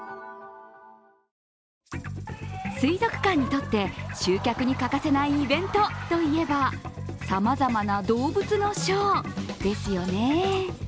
水族館にとって集客に欠かせないイベントといえば、さまざまな動物のショーですよね。